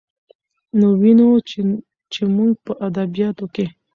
نو وينو، چې زموږ په ادبياتو کې